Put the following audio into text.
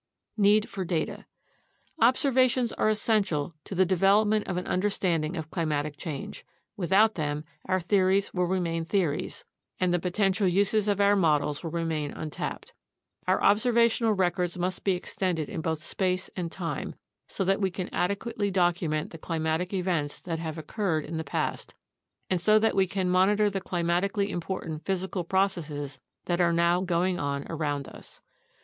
Need for Data Observations are essential to the development of an understanding of climatic change; without them, our theories will remain theories and INTRODUCTION O the potential uses of our models will remain untapped. Our observa tional records must be extended in both space and time, so that we can adequately document the climatic events that have occurred in the past, and so that we can monitor the climatically important physical processes that are now going on around us.